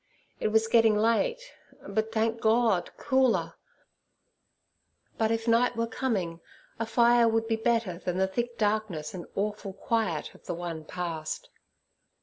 It was getting late, but, thank God! cooler, but if night were coming a fire would be better than the thick darkness and awful quiet of the one past.